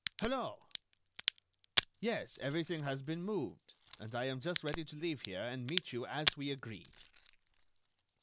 Hello!... Yes, everything has been moved, and I am just ready to leave here and meet you as we agreed....